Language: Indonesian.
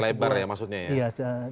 lebar ya maksudnya ya